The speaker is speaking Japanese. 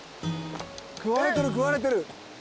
食われてる食われてる。